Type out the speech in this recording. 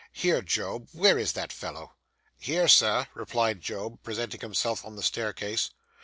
Here, Job; where is that fellow?' 'Here, sir,' replied Job, presenting himself on the staircase.